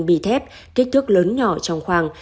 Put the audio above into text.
bi thép kích thước lớn nhỏ trong khoang